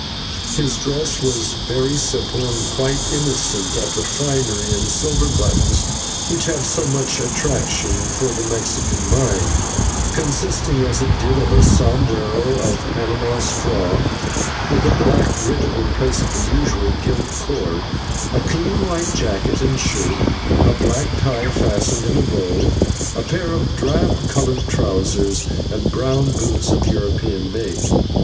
His dress was very simple and quite innocent of the finery and silver buttons which have so much attraction for the Mexican mind, consisting as it did of a sombrero of Panama straw, with a black ribbon in place of the usual gilt cord, a clean white jacket and shirt, a black tie fastened in a bow, a pair of drab coloured trousers, and brown boots of European make.